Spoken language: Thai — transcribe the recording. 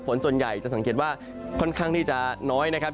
ฝนส่วนใหญ่จะสังเกตว่าค่อนข้างที่จะน้อยนะครับ